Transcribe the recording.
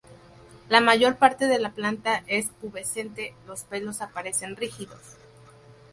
La mayor parte de la planta es pubescente, los pelos aparecen rígidos.